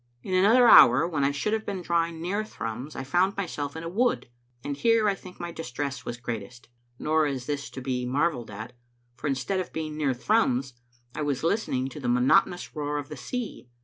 In another hour, when I should have been drawing near Thrums, I found myself in a wood, and here I think my distress was greatest; nor is this to be mar velled at, for instead of being near Thrums, I was lis tening to the monotonous roar of the sea.